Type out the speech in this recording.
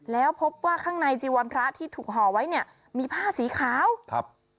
แล้วพบว่าข้างในจีวรพระที่ถูกห่อไว้เนี่ยมีผ้าสีขาวครับ